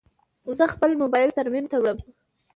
زه خپل موبایل ترمیم ته وړم.